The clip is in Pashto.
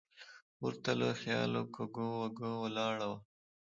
ور ته له خیاله کوږه وږه ولاړه وه.